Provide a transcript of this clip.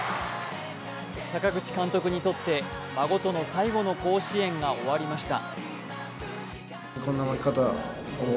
阪口監督にとって孫との最後の甲子園が終わりました。